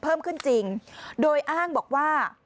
เพิ่มขึ้นจริงโดยอ้างบอกว่า